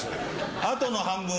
あとの半分は？